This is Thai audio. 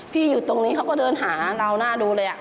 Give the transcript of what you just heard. อยู่ตรงนี้เขาก็เดินหาเราหน้าดูเลย